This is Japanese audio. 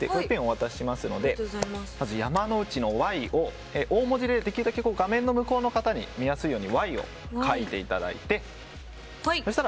ペンをお渡ししますのでまず山之内のＹを大文字で画面の向こうの方に見やすいようにＹを書いていただいてそ